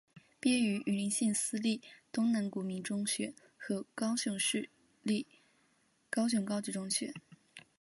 毕业于云林县私立东南国民中学和高雄市立高雄高级中学。